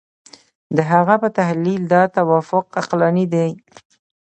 د هغه په تحلیل دا توافق عقلاني دی.